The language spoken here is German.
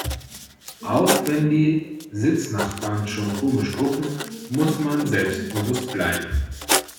Auch wenn die Sitznachbarn schon komisch gucken, muss man selbstbewusst bleiben.